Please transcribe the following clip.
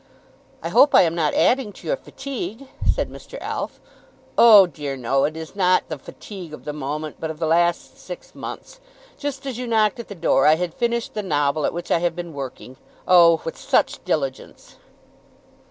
"I hope I am not adding to your fatigue," said Mr. Alf. "Oh dear no. It is not the fatigue of the moment, but of the last six months. Just as you knocked at the door, I had finished the novel at which I have been working, oh, with such diligence!"